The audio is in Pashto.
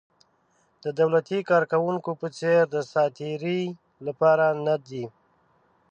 د دولتي کارکوونکو په څېر د ساعت تېرۍ لپاره نه دي.